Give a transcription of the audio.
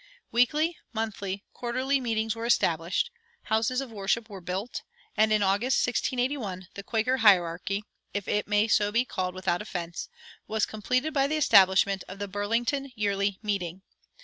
Weekly, monthly, quarterly meetings were established; houses of worship were built; and in August, 1681, the Quaker hierarchy (if it may so be called without offense) was completed by the establishment of the Burlington Yearly Meeting.